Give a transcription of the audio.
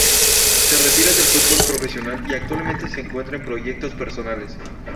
Se retira del futbol profesional y actualmente se encuentra en proyectos personales.